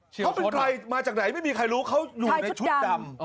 เขาเป็นใครมาจากไหนไม่มีใครรู้เขาอยู่ในชุดดำ